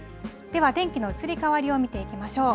では天気の移り変わりを見ていきましょう。